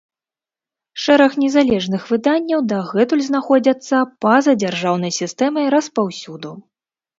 Шэраг незалежных выданняў дагэтуль знаходзяцца па-за дзяржаўнай сістэмай распаўсюду.